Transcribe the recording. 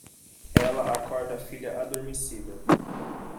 Ela acorda a filha adormecida